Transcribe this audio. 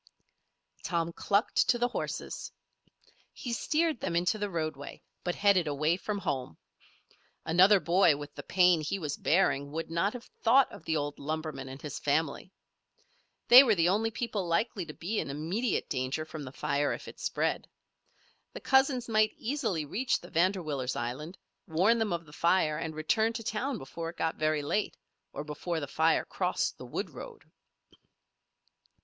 Tom clucked to the horses. He steered them into the roadway, but headed away from home. Another boy with the pain he was bearing would not have thought of the old lumberman and his family. They were the only people likely to be in immediate danger from the fire if it spread. The cousins might easily reach the Vanderwiller's island, warn them of the fire, and return to town before it got very late, or before the fire crossed the wood road.